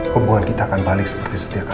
hubungan kita akan balik seperti setiap hari